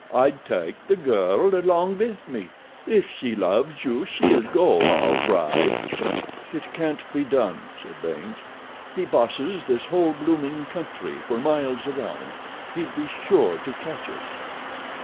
"I'd take the girl along with me. If she loves you she'll go, all right." "It can't be done," said Baynes. "He bosses this whole blooming country for miles around. He'd be sure to catch us."